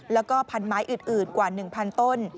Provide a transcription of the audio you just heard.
แล้วก็พันไม้อื่นกว่า๑๐๐ต้น